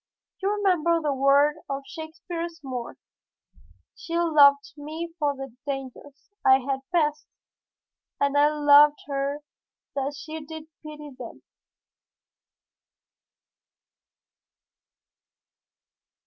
You remember the words of Shakespeare's Moor: 'She loved me for the dangers I had passed, and I loved her that she did pity them.'